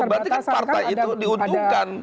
berarti kan partai itu diuntungkan